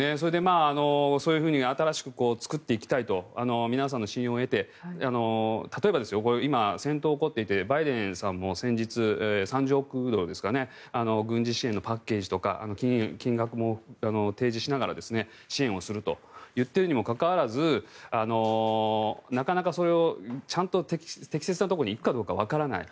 そういうふうに新しく作っていきたいと皆さんの信用を得て例えば今、戦闘が起こっていてバイデンさんも先日、３０億ドルですかね軍事支援のパッケージとか金額も提示しながら支援をすると言っているにもかかわらずなかなか、それが適切なところに行くかわからない。